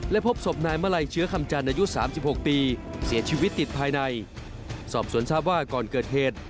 และพบสบนายมาลัยเชื้อคำจาญอายุ๓๖ปีเสียชีวิตติดภายใน